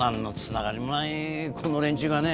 この連中がね。